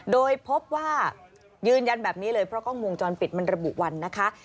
โดยพบว่ายืนยันแบบนี้เลยเพราะกล้องวงจรปิดมันระบุวันนะคะ